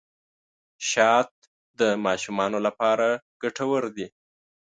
شات د ماشومانو لپاره ګټور دي.